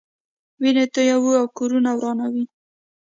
وینې تویوي او کورونه ورانوي.